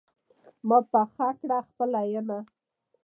ما پخه کړه خپله ينه